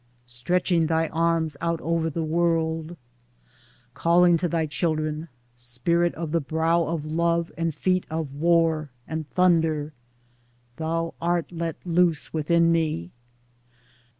stretching thy arms out over the world, Calling to thy children — spirit of the brow of love and feet of war and thunder — Thou art let loose within me